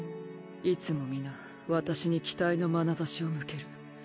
いつも皆私に期待の眼差しを向ける。